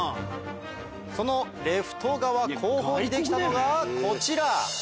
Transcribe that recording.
そのレフト側後方にできたのがこちら！